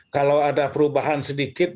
kalau ada perubahan sedikit